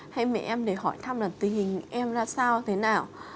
hay mẹ em để hỏi thăm là tình hình em ra sao thế nào